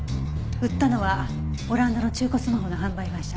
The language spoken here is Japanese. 売ったのはオランダの中古スマホの販売会社。